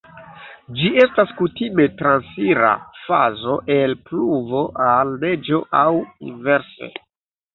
Ĝi estas kutime transira fazo el pluvo al neĝo aŭ inverse.